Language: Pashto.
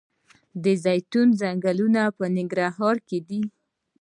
د زیتون ځنګلونه په ننګرهار کې دي؟